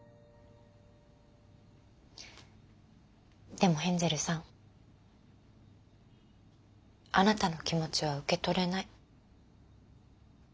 でもヘンゼルさんあなたの気持ちは受け取れない。